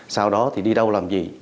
sau đó đi đâu làm gì